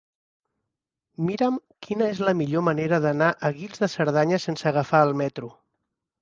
Mira'm quina és la millor manera d'anar a Guils de Cerdanya sense agafar el metro.